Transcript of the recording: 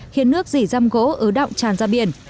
khiến nước dỉ răm gỗ ứ động tràn ra biển